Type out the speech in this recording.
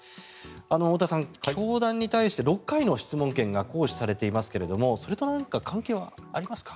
太田さん、教団に対して６回の質問権が行使されていますがそれと何か関係はありますか？